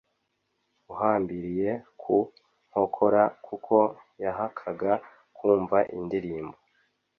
uhambiriye ku nkokora kuko yahakaga kumva indirimbo